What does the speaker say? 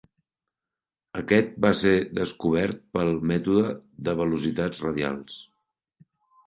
Aquest va ser descobert pel mètode de velocitats radials.